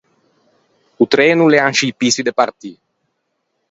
O treno o l’ea in scî pissi de partî.